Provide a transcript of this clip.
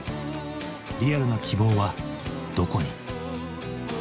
リアルな希望はどこに？